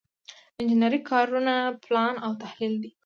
انجنري کارونه پلان او تحلیل لري.